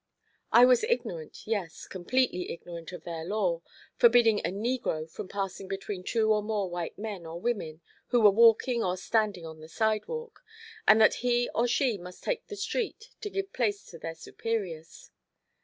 I was ignorant, yes, completely ignorant of their law, forbidding a negro from passing between two or more white men or women who were walking or standing on the sidewalk, and that he or she must take the street to give place to their superiors.